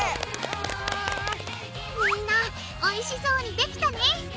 みんなおいしそうにできたね！